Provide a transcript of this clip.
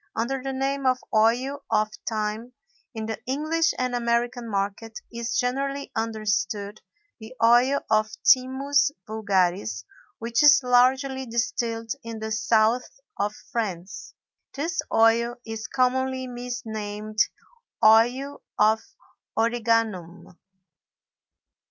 Under the name of Oil of Thyme, in the English and American market, is generally understood the oil of Thymus vulgaris, which is largely distilled in the South of France. This oil is commonly misnamed Oil of Origanum.